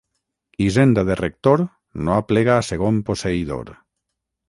Hisenda de rector no aplega a segon posseïdor.